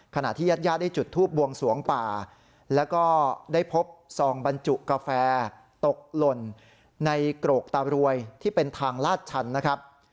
ขณะที่ญาติญาติได้จุดทูบบวงสวงป่าแล้วก็ได้พบซองบรรจุกาแฟตกหล่นในโกรกตารวยที่เป็นทางลาดชันนะครับ